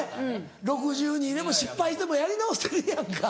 ６２歳でも失敗してもやり直せるやんか。